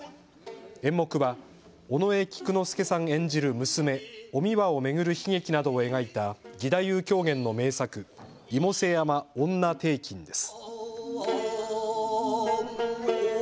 演目は尾上菊之助さん演じる娘、お三輪を巡る悲劇などを描いた義太夫狂言の名作、妹背山婦女庭訓です。